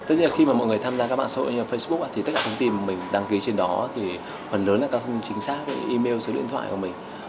tất nhiên là khi mà mọi người tham gia các bạn sổ như facebook thì tất cả thông tin mình đăng ký trên đó thì phần lớn là các thông tin chính xác email số điện thoại của mình